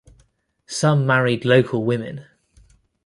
Some married local women.